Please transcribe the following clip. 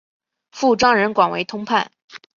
父张仁广为通判。